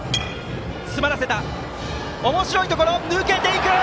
おもしろいところ抜けていった！